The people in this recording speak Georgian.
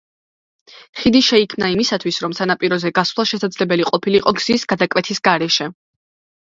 ხიდი შეიქმნა იმისათვის, რომ სანაპიროზე გასვლა შესაძლებელი ყოფილიყო გზის გადაკვეთის გარეშე.